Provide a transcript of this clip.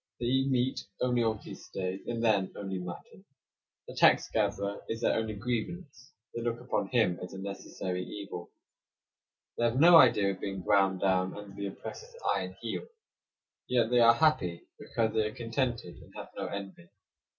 They eat meat only on feast days, and then only mutton. The tax gatherer is their only grievance; they look upon him as a necessary evil. They have no idea of being ground down under the oppressor's iron heel. Yet they are happy because they are contented, and have no envy.